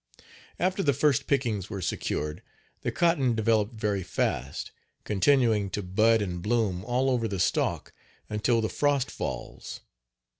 After the first pickings were secured the cotton developed very fast, continuing to bud and bloom all over the stalk until the frost falls.